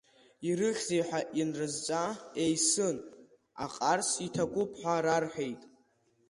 Ирыхьзеи ҳәа ианрызҵаа, еисын, аҟарс иҭакуп ҳәа рарҳәеит.